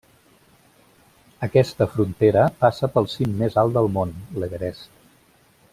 Aquesta frontera passa pel cim més alt del món, l'Everest.